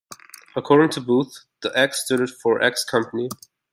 According to Booth, the X stood for X-company.